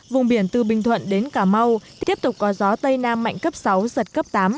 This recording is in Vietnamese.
vùng biển từ bình thuận đến cà mau tiếp tục có gió tây nam mạnh cấp sáu giật cấp tám